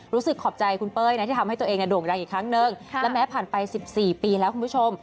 ขอบใจคุณเป้ยนะที่ทำให้ตัวเองโด่งดังอีกครั้งนึงและแม้ผ่านไป๑๔ปีแล้วคุณผู้ชม